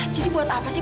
jadi buat apa sih